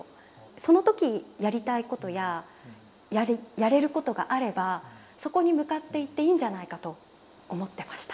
その時やりたいことややれることがあればそこに向かっていっていいんじゃないかと思ってました。